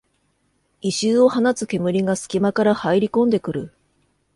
異臭を放つ煙がすき間から入りこんでくる